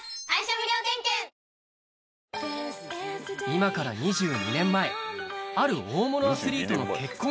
今から２２年前ある大物アスリートの結婚